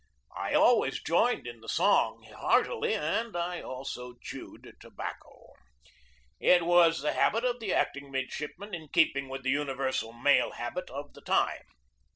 I always joined in the song hear tily, and I also chewed tobacco. It was the habit of the acting midshipmen, in keeping with the universal male habit of the time.